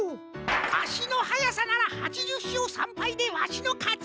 あしのはやさなら８０しょう３ぱいでわしのかち！